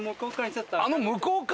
あの向こう側？